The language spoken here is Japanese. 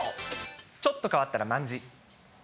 ちょっと変わったらまんじ。